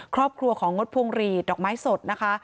ครอบครัวของงดพวงหลีดดอกไม้สดนะคะ